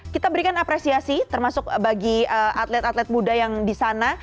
kita berikan apresiasi termasuk bagi atlet atlet muda yang di sana